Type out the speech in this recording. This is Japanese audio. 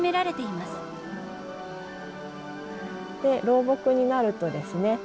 老木になるとですね